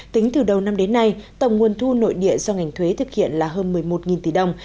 tính từ đầu năm đến nay tổng nguồn thu nội địa do ngành thuế thực hiện là hơn một mươi một tỷ đồng